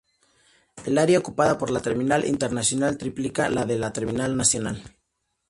El área ocupada por la terminal internacional triplica la de la terminal nacional.